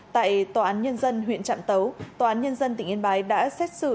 tại tòa án nhân dân huyện trạm tấu tòa án nhân dân tỉnh yên bái đã xét xử